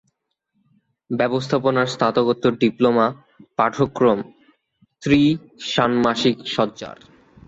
ব্যবস্থাপনার স্নাতকোত্তর ডিপ্লোমা পাঠক্রম ত্রি-ষাণ্মাসিক সজ্জার।